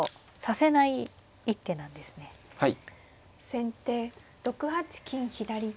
先手６八金左。